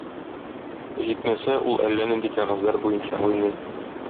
Җитмәсә, ул әллә нинди кәгазьләр буенча уйный.